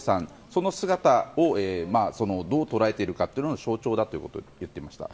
その姿をどう捉えているかの象徴だと言っていました。